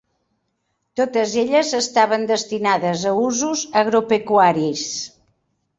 Totes elles estaven destinades a usos agropecuaris.